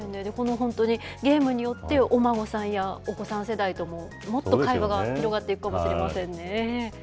本当にゲームによって、お孫さんやお子さん世代とも、もっと会話が広がっていくかもしれませんね。